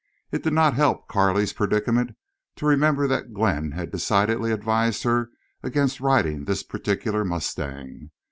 It did not help Carley's predicament to remember that Glenn had decidedly advised her against riding this particular mustang.